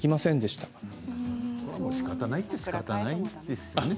しかたないっちゃしかたないですね。